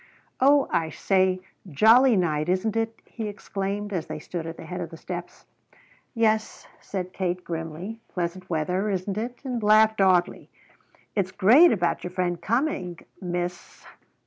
"Oh, I say, jolly night, isn't it?" he exclaimed as they stood at the head of the steps. "Yes," said Kate grimly, "pleasant weather, isn't it?" and laughed oddly. "It's great about your friend coming; Miss